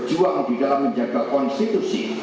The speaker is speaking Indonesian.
berjuang di dalam menjaga konstitusi